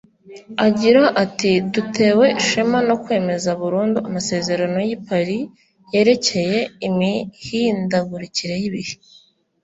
Agira ati “Dutewe ishema no kwemeza burundu amasezerano y’i Paris yerekeye imihindagurikire y’ibihe